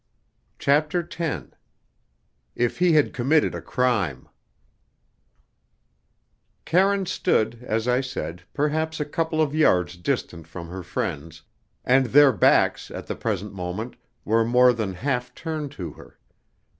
CHAPTER X "If He Had Committed a Crime" Karine stood, as I said, perhaps a couple of yards distant from her friends, and their backs, at the present moment, were more than half turned to her.